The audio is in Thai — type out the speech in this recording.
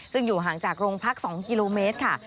ซึ่งอยู่ห่างจากโรงพัก๒กิโลเมตรค่ะ